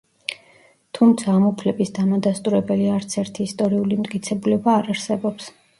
თუმცა ამ უფლების დამადასტურებელი არც ერთი ისტორიული მტკიცებულება არ არსებობს.